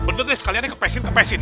bener nih sekaliannya kepesin kepesin